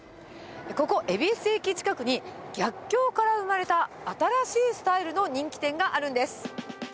ここ、恵比寿駅近くに、逆境から生まれた新しいスタイルの人気店があるんです。